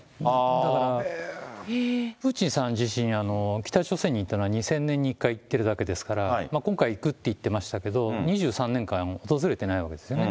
だから、プーチンさん自身、北朝鮮に行ったのは、２０００年に１回行っただけですから、今回、行くって言ってましたけど、２３年間訪れてないわけですよね。